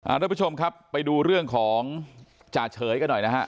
อ่ารับประชมครับไปดูเรื่องของจาเฉยก็หน่อยนะฮะ